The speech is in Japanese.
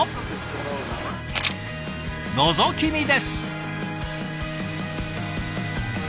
のぞき見です。